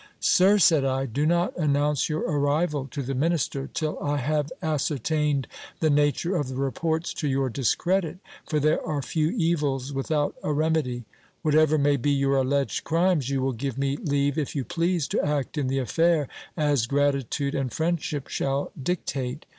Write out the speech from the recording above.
Sir, said L do not announce your arrival to the minister, till I have as certained the nature of the reports to your discredit ; for there are few evils without a remedy. Whatever may be your alleged crimes, you will give me leave, if you please, to act in the affair as gratitude and friendship shall dictate.